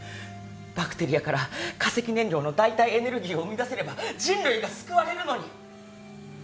バクテリアから化石燃料の代替エネルギーを生みだせれば人類が救われるのに。